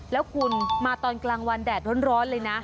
แล้วคุณมาตอนกลางวันแดดร้อนเลยนะ